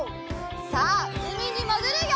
さあうみにもぐるよ！